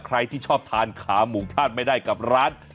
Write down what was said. ใครที่ชอบทานขาหมูพลาดไม่ได้กับร้าน